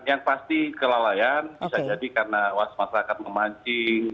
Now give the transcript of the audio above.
yang pasti kelalaian bisa jadi karena masyarakat memancing